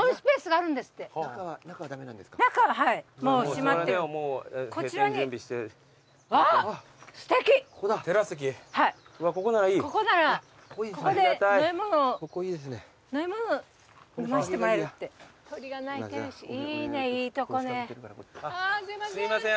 あすいません